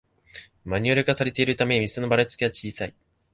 マニュアル化されているため店のバラつきは小さい